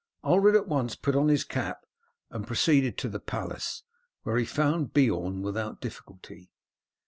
Ulred at once put on his cap and proceeded to the palace, where he found Beorn without difficulty.